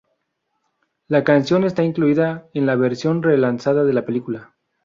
La canción está incluida en la versión relanzada de la película.